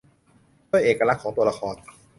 ด้วยเอกลักษณ์ของตัวละคร